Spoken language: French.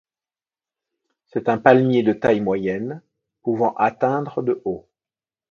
C'est un palmier de taille moyenne, pouvant atteindre de haut.